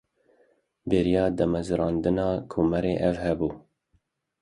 Beriya damezrandina komarê ev hebû.